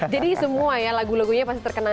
jadi semua ya lagu lagunya pasti terkenal